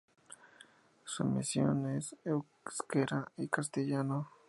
Su emisión es en euskera y castellano.